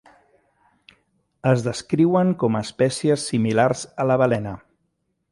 Es descriuen com espècies similars a la balena.